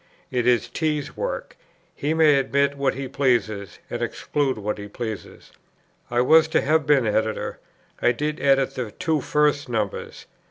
It is T.'s work; he may admit what he pleases; and exclude what he pleases. I was to have been Editor. I did edit the two first numbers.